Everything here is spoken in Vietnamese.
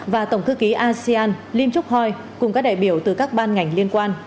và tổng thư ký asean lim chok hoi cùng các đại biểu từ các ban ngành liên quan